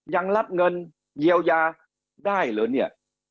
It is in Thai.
ยังรับเงินเยียวยาได้เหรอเนี่ย